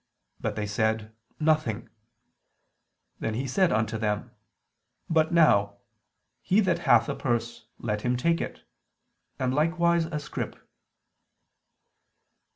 But they said: Nothing. Then said He unto them: But now, he that hath a purse, let him take it, and likewise a scrip."